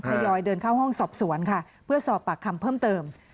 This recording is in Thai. ยอยเดินเข้าห้องสอบสวนค่ะเพื่อสอบปากคำเพิ่มเติม